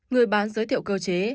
người bán giới thiệu cơ chế